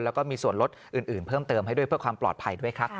แล้วก็มีส่วนลดอื่นเพิ่มเติมให้ด้วยเพื่อความปลอดภัยด้วยครับ